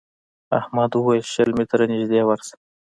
احمد وويل: شل متره نږدې ورشه.